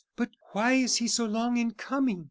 But why is he so long in coming?"